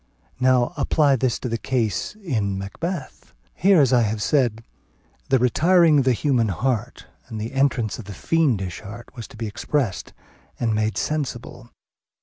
Now apply this to the case in Macbeth. Here, as I have said, the retiring of the human heart and the entrance of the fiendish heart was to be expressed and made sensible.